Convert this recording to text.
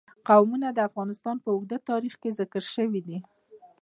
قومونه د افغانستان په اوږده تاریخ کې ذکر شوی دی.